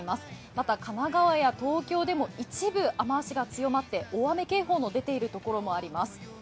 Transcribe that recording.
また、神奈川や東京でも一部雨足が強まって大雨警報の出ているところもあります。